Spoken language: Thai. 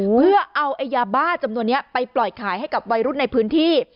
เพื่อเอายาบ้าจำนวนนี้ไปปล่อยขายให้กับวัยรุ่นในพื้นที่